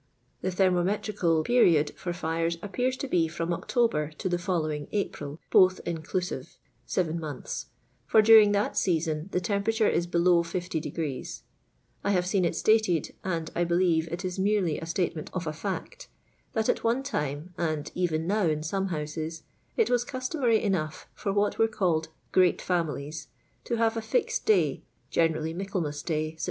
The thermometrica) period for fiivs appears to be from October to the following April, both inclusive (seven months), for during that season the tem perature is below 50 ^ I have seen it stated, aod 1 believe it is merely a statement of a Uxx, that at one time, and even now in some houses, it wsi customary enough for what were called "great families " to have a fixed day (general I j Michael mas day, Sept.